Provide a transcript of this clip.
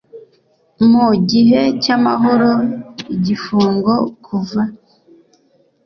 mu gihe cy amahoro igifungo kuva